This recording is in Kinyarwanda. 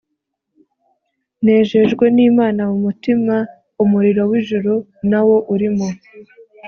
Nejejwe n’Imana mu mutima umuriro w’ijuru nawo urimo